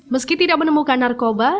meski tidak menemukan narkoba